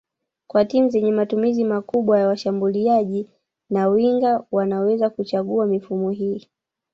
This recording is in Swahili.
Kwa timu zenye matumizi makubwa ya washambuliaji na winga wanaweza kuchagua mifumo hii